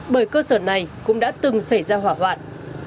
bởi cơ sở này cũng đã từng xảy ra hỏa hoạn